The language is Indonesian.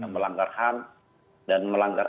melanggar ham dan melanggar